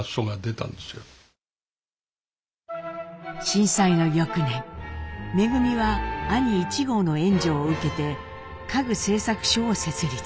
震災の翌年恩は兄壹号の援助を受けて家具製作所を設立。